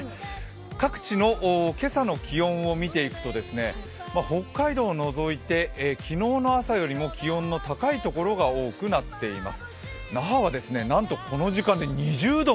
各地の今朝の気温を見ていくと北海道を除いて昨日の朝よりも気温の高い所が多くなっています。